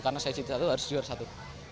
karena saya jadi satu harus juara satu